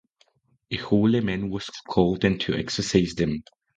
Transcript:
A holy man was called in to exorcize them.